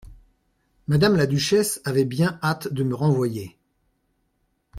Madame la duchesse avait bien hâte de me renvoyer.